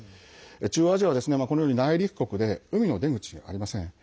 中央アジアはこのように内陸国で海の出口がありません。